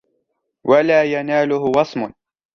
وَلَا يَنَالَهُ وَصْمٌ